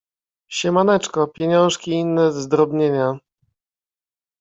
Siemaneczko, pieniążki i inne zdrobnienia.